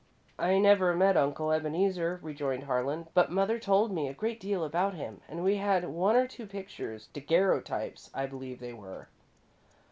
"I never met Uncle Ebeneezer," rejoined Harlan, "but mother told me a great deal about him and we had one or two pictures daguerreotypes, I believe they were."